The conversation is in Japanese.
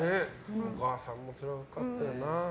お母さんもつらかったよな。